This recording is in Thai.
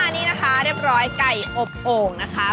นี่นะคะเรียบร้อยไก่อบโอ่งนะคะ